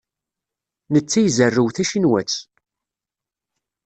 Netta izerrew tacinwat.